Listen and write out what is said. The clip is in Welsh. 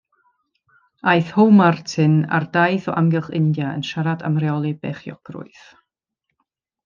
Aeth How-Martyn ar daith o amgylch India yn siarad am reoli beichiogrwydd.